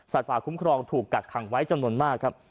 ป่าคุ้มครองถูกกักขังไว้จำนวนมากครับ